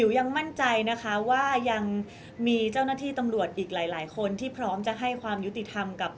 ยังมั่นใจนะคะว่ายังมีเจ้าหน้าที่ตำรวจอีกหลายคนที่พร้อมจะให้ความยุติธรรมกับ